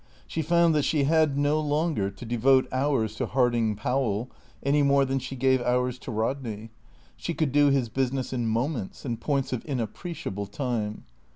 She found that she had no longer to devote hours to Harding Powell, any more than she gave hours to Rodney; she could do his business in moments, in points of inappreciable time.